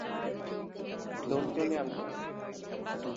Loan টোনে আমি নাই।